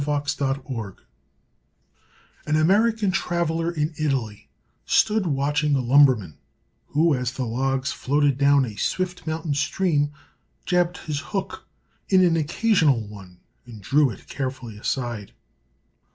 SEE IT THROUGH An American traveler in Italy stood watching a lumberman who, as the logs floated down a swift mountain stream, jabbed his hook in an occasional one and drew it carefully aside.